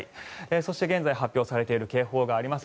そして、現在発表されている警報があります。